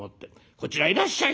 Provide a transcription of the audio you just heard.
こちらへいらっしゃい。